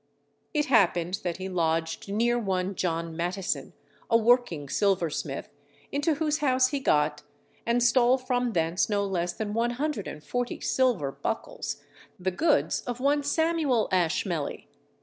It happened that he lodged near one John Mattison, a working silversmith, into whose house he got, and stole from thence no less than one hundred and forty silver buckles, the goods of one Samuel Ashmelly.